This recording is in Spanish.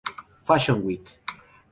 Fashion Week".